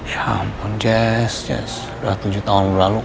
ya ampun jess jess udah tujuh tahun lalu